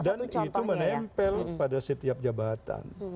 dan itu menempel pada setiap jabatan